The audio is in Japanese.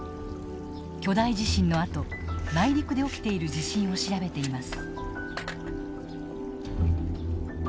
巨大地震のあと内陸で起きている地震を調べています。